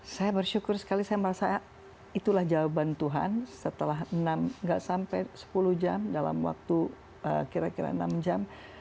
saya bersyukur sekali saya merasa itulah jawaban tuhan setelah gak sampai sepuluh jam dalam waktu kira kira enam jam